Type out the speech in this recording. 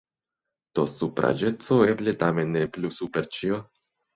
Do supraĵeco eble tamen ne plu super ĉio?